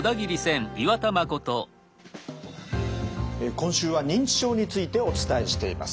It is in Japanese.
今週は認知症についてお伝えしています。